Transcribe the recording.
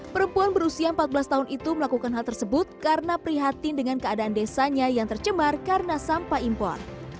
perempuan berusia empat belas tahun itu melakukan hal tersebut karena prihatin dengan keadaan desanya yang tercemar karena sampah impor